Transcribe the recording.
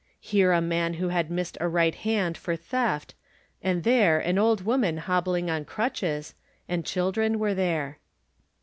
Here a man who had missed a right hand for theft, and there an old woman hobbling on crutches, and children were there.